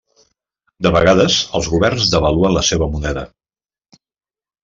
De vegades, els governs devaluen la seva moneda.